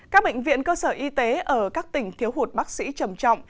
các bệnh viện cơ sở y tế ở các tỉnh thiếu hụt bác sĩ trầm trọng